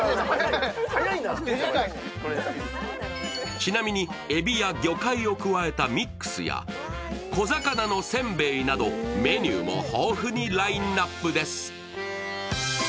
ちなみにえびや魚介を加えたミックスや小魚のせんべいなどメニューも豊富にラインナップです。